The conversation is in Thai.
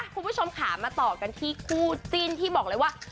คุณผู้ชมค่ะมาต่อกันที่คู่จิ้นที่บอกเลยว่า